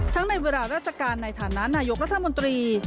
ในเวลาราชการในฐานะนายกรัฐมนตรี